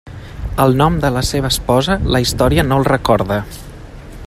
El nom de la seva esposa la història no el recorda.